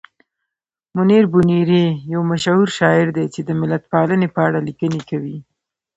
منیر بونیری یو مشهور شاعر دی چې د ملتپالنې په اړه لیکنې کوي.